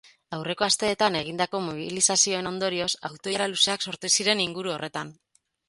Aurreko asteetan egindako mobilizazioen ondorioz, auto-ilara luzeak sortu ziren inguru horretan.